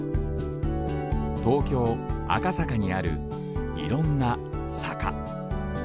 東京・赤坂にあるいろんな坂。